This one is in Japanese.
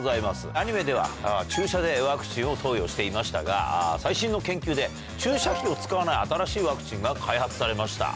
アニメでは注射でワクチンを投与していましたが最新の研究で注射器を使わない新しいワクチンが開発されました。